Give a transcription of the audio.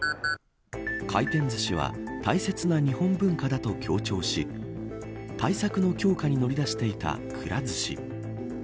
回転ずしは、大切な日本文化だと強調し対策の強化に乗り出していたくら寿司。